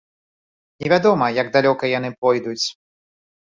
Невядома, як далёка яны пойдуць.